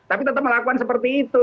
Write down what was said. tapi tetap melakukan seperti itu